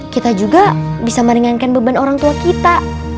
kita juga bisa meringankan beban orang tua kita